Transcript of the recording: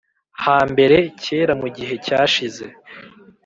hambere: kera, mu gihe cyashize